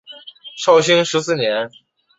绍兴十四年。